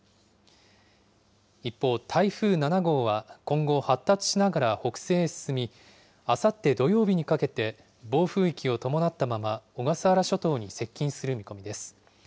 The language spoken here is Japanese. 一方、台風７号は今後、発達しながら北西へ進み、あさって土曜日にかけて、暴風域を伴ったまま小笠原諸島に接近する見込みです。